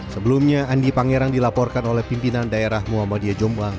sebelumnya andi pangeran dilaporkan oleh pimpinan daerah muhammadiyah jombang